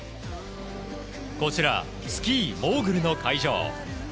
こちらスキー・モーグルの会場。